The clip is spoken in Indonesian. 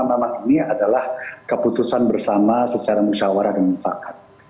yang pertama tama ini adalah keputusan bersama secara musyawarah dan mufakat